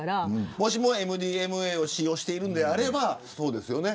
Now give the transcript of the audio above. もしＭＤＭＡを使用しているんであればそうですよね。